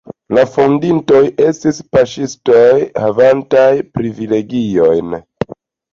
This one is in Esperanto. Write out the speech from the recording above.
La fondintoj estis paŝtistoj havantaj privilegiojn.